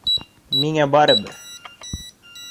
Миңә барыбер